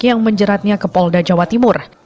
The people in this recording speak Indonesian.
yang menjeratnya ke polda jawa timur